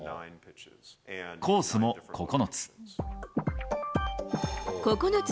コースも９つ。